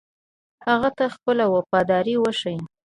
هغه ته خپله وفاداري وښيي.